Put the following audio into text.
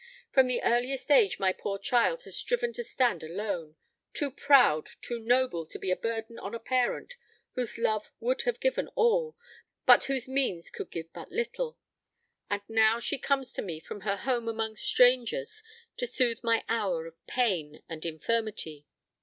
From the earliest age my poor child has striven to stand alone; too proud, too noble to be a burden on a parent whose love would have given all, but whose means could give but little. And now she comes to me from her home among strangers, to soothe my hour of pain and infirmity.